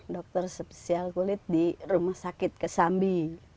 dokter spesial kulit di rumah sakit kesambi